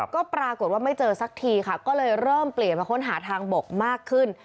ก็ปรากฏว่าไม่เจอสักทีค่ะก็เลยเริ่มเปลี่ยนมาค้นหาทางบกมากขึ้น